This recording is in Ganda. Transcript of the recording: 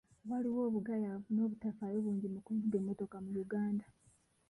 Waliwo obugayaavu n'obutafaayo bungi mu kuvuga emmotoka mu Uganda.